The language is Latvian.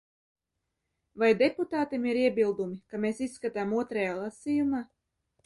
Vai deputātiem ir iebildumi, ka mēs izskatām otrajā lasījumā?